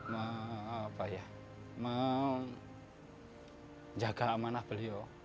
menjaga amanah beliau